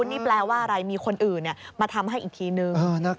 นี่แปลว่าอะไรมีคนอื่นมาทำให้อีกทีนึง